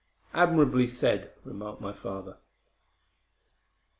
"Admirably said," remarked my father.